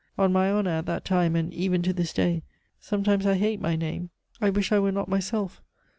On my honor, at that time, and even to this day, sometimes I hate my name. I wish I were not myself.